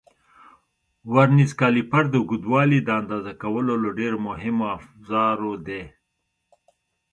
ورنیز کالیپر د اوږدوالي د اندازه کولو له ډېرو مهمو افزارو دی.